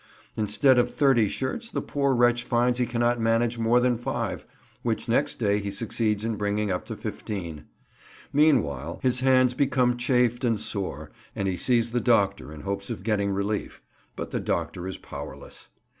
Instead of 30 shirts, the poor wretch finds he cannot manage more than 5, which next day he succeeds in bringing up to 15. Meanwhile his hands become chafed and sore, and he sees the doctor in hopes of getting relief; but the doctor is powerless.